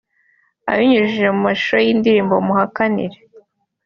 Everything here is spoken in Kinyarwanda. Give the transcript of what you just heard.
Abinyujije mu mashusho y’indirimbo Muhakanire